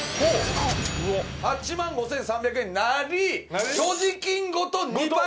８万５，３００円になり所持金ごと２倍。